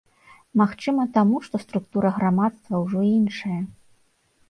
Магчыма, таму, што структура грамадства ўжо іншая.